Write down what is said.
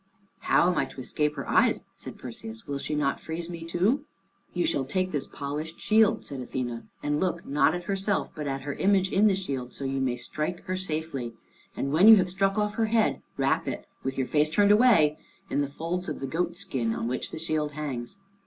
"How am I to escape her eyes?" said Perseus; "will she not freeze me too?" "You shall take this polished shield," said Athene, "and look, not at her herself, but at her image in the shield, so you may strike her safely. And when you have struck off her head, wrap it, with your face turned away, in the folds of the goat skin on which the shield hangs.